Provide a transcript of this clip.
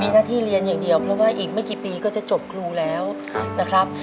หน้าที่เรียนอย่างเดียวเพราะว่าอีกไม่กี่ปีก็จะจบครูแล้วนะครับ